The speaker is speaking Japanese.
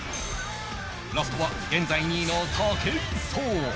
ラストは現在２位の武井壮